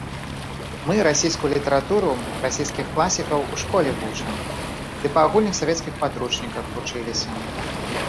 Мы расійскую літаратуру, расійскіх класікаў у школе вучым, ды па агульных савецкіх падручніках вучыліся.